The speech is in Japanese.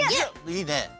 いいね。